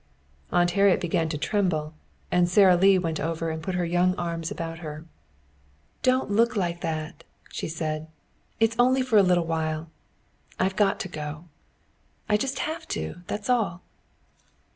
Aunt Harriet began to tremble, and Sara Lee went over and put her young arms about her. "Don't look like that," she said. "It's only for a little while. I've got to go. I just have to, that's all!"